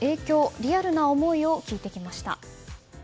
リアルな思いを聞いてきました。